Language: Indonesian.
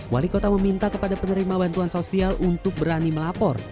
wali kota meminta kepada penerima bantuan sosial untuk berani melapor